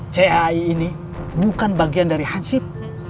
cai ini bukan bagian dari hansib